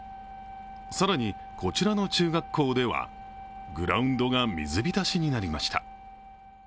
更にこちらの中学校ではグラウンドが水浸しになりました。